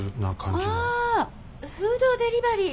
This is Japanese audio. フードデリバリー。